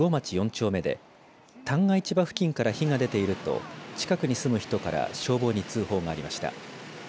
４丁目で旦過市場付近から火が出ていると近くに住む人から消防に通報がありました。